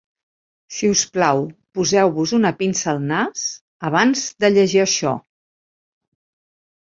Si us plau, poseu-vos una pinça al nas abans de llegir això.